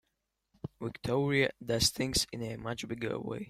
Victoria does things in a much bigger way.